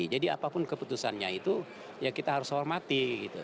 jadi apapun keputusannya itu ya kita harus hormati